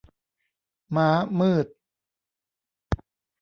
ม้ามืด